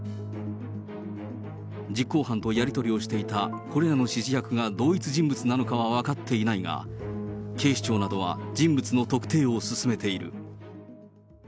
実行犯とやり取りをしていたこれらの指示役が同一人物なのかは分かっていないが、警視庁などは人物の特定を進めている。